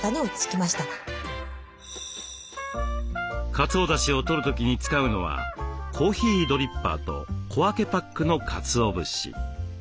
かつおだしをとる時に使うのはコーヒードリッパーと小分けパックのかつお節。